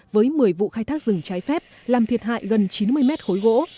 với một mươi vụ khai thác rừng trái phép làm thiệt hại gần chín mươi mét khối gỗ